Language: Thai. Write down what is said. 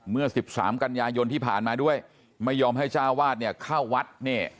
เมื่อ๑๓กันยายนที่ผ่านมาด้วยไม่ยอมให้เจ้าวาดเนี่ยเข้าวัดเนี่ย